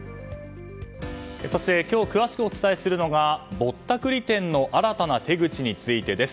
そして今日詳しくお伝えするのがぼったくり店の新たな手口についてです。